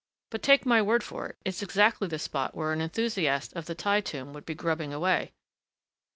But take my word for it, it's exactly the spot where an enthusiast of the Thi Tomb would be grubbing away....